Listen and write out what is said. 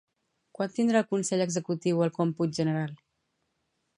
Quan tindrà el consell executiu el còmput general?